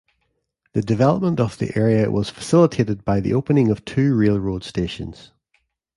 The development of area was facilitated by the opening of two railroad stations.